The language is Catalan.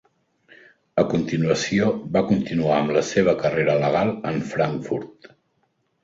A continuació, va continuar amb la seva carrera legal en Frankfurt.